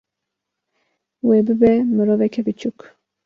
wê bibe miroveke piçûk